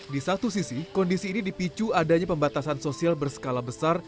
di satu sisi kondisi ini dipicu adanya pembatasan sosial berskala besar